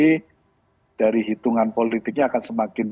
jadi dari hitungan politiknya akan semakin